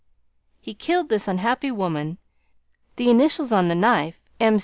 He killed this unhappy woman the initials on the knife, M.